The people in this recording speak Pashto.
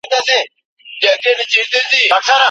ګټه به ستا د سر د خولې په اندازه ستا په برخه وي.